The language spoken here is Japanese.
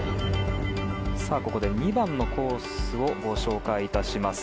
ここで２番のコースをご紹介いたします。